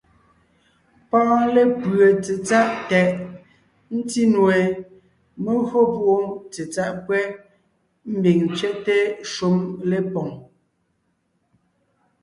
Pɔ́ɔn lépʉe tsetsáʼ tɛʼ, ńtí nue, mé gÿo púʼu tsetsáʼ pÿɛ́, ḿbiŋ ńtsẅɛ́te shúm lépoŋ.